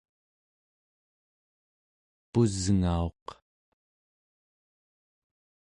pusngauq